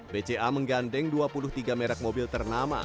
bca menggandeng dua puluh tiga merek mobil ternama